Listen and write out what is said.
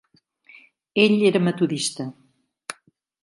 Ell era metodista.